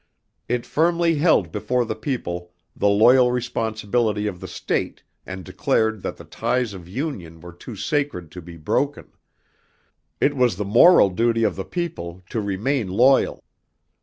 It firmly held before the people the loyal responsibility of the state and declared that the ties of union were too sacred to be broken. It was the moral duty of the people to remain loyal.